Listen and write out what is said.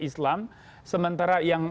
islam sementara yang